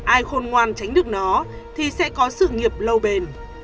ai khôn ngoan tránh được nó thì sẽ có sự nghiệp lâu bền